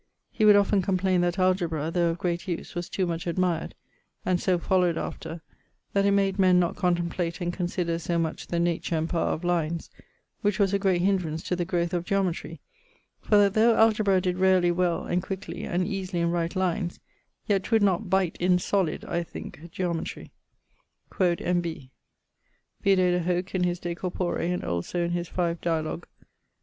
He would often complain that algebra[CIV.] (though of great use) was too much admired, and so followed after, that it made men not contemplate and consider so much the nature and power of lines, which was a great hinderance to the groweth of geometrie; for that though algebra did rarely well and quickly, and easily in right lines, yet 'twould not bite in solid (I thinke) geometrie. Quod N.B. [CIV.] Vide de hoc in his De corpore, and also in his 5 Dialogue.